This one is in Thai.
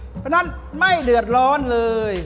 เพราะฉะนั้นไม่เดือดร้อนเลย